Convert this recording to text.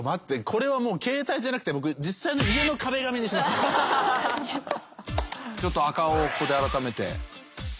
これはもう携帯じゃなくて僕実際のちょっと赤青をここで改めて。